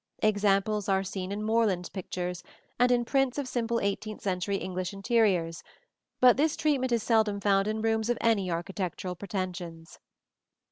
Examples are seen in Moreland's pictures, and in prints of simple eighteenth century English interiors; but this treatment is seldom found in rooms of any architectural pretensions.